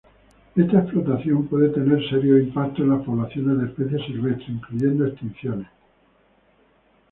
Esta explotación puede tener serios impactos en las poblaciones de especies silvestres, incluyendo extinciones.